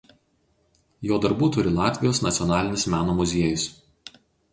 Jo darbų turi Latvijos nacionalinis meno muziejus.